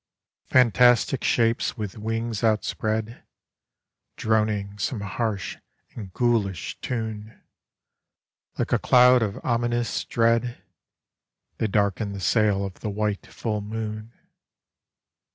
Fantastic shapes with wings outspread, Droning some harsh and ghoulish tune, Like a cloud of ominous dread, They darken the sail of the white full moon.